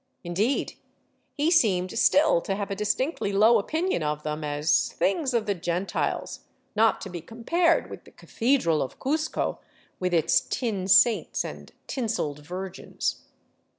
In deed, he seemed still to have a distinctly low opinion of them as " things of the Gentiles," not to be compared with the Cathedral of Cuzco, with its tin saints and tinseled Virgins.